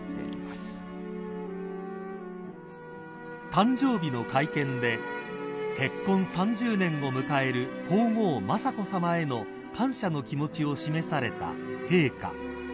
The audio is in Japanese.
［誕生日の会見で結婚３０年を迎える皇后雅子さまへの感謝の気持ちを示された陛下］